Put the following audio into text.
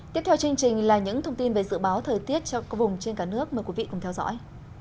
tiếp theo chương trình là những thông tin về dự báo thời tiết cho vùng trên cả nước mời quý vị cùng theo dõi